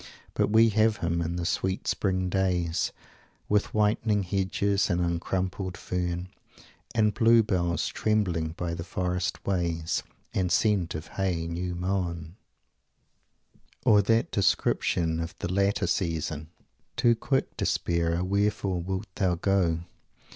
But we shall have him in the sweet spring days, With whitening hedges and uncrumpling fern, And blue bells trembling by the forest ways, And scent of hay new mown " Or that description of the later season: "Too quick despairer! Wherefore wilt thou go?